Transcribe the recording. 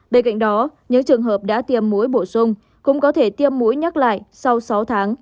bên cạnh đó những trường hợp đã tiêm mũi bổ sung cũng có thể tiêm mũi nhắc lại sau sáu tháng